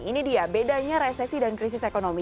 ini dia bedanya resesi dan krisis ekonomi